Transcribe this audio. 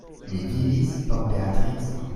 Mi vivis por Beatrico.